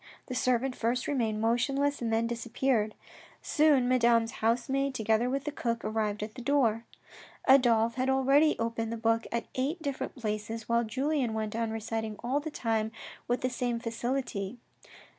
The servant' first remained motionless, and then disappeared. Soon Madame's house maid, together with the cook, arrived at the door. Adolphe had already opened the book at eight different places, while Julien went on reciting all the time with the same facility.